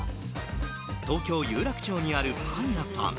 東京・有楽町にあるパン屋さん